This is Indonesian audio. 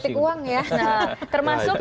nah itu pidana